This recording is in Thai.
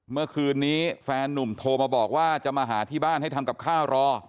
เมื่อคืนนี้แฟนนุ่มโทรมาบอกว่าจะมาหาที่บ้านให้ทำกับข้าวรอ